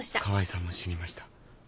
河合さんも死にました。